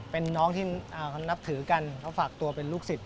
เป็นน้องที่เขานับถือกันเขาฝากตัวเป็นลูกศิษย